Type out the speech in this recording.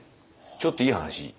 ちょっといい話。